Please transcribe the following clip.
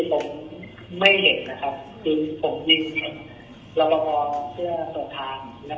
รู้สึกสำนึกครับสำนึกและผิดครับ